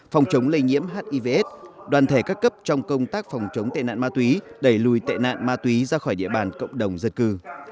phòng chống lây nhiễm hivs đoàn thể các cấp trong công tác phòng chống tệ nạn ma túy đẩy lùi tệ nạn ma túy ra khỏi địa bàn cộng đồng dân cư